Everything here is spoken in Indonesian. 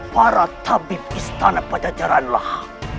para tabib istana pajajaran lah